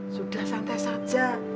sudah santai saja